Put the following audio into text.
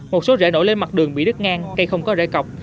một số rễ nổi lên mặt đường bị đứt ngang cây không có rễ cọc